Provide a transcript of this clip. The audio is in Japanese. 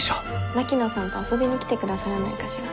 槙野さんと遊びに来てくださらないかしら？